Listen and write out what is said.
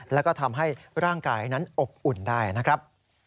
แล้วก็ทำให้ร่างกายนั้นอบอุ่นได้นะครับ